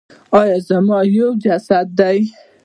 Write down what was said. آیا موږ یو جسد یو؟